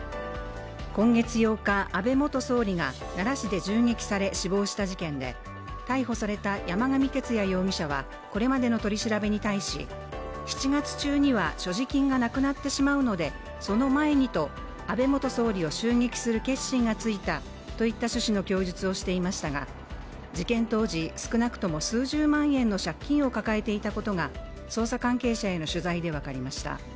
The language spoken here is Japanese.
今月８日、安倍元総理が奈良市で銃撃され死亡した事件で逮捕された山上徹也容疑者はこれまでの取り調べに対し７月中には所持金がなくなってしまうのでその前にと安倍元総理を襲撃する決心がついたといった趣旨の供述をしていましたが事件当時、少なくとも数十万円の借金を抱えていたことが、捜査関係者への取材で分かりました。